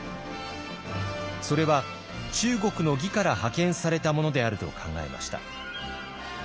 それは中国の魏から派遣されたものであると考えました。